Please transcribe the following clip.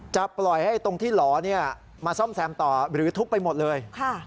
ปล่อยให้ตรงที่หล่อมาซ่อมแซมต่อหรือทุบไปหมดเลย